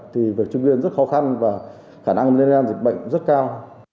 thì phải truy nguyên rất khó khăn và khả năng lây lan dịch bệnh rất cao